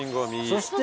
そして？